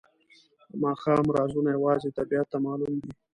د ماښام رازونه یوازې طبیعت ته معلوم دي.